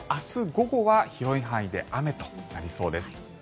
午後は広い範囲で雨となりそうです。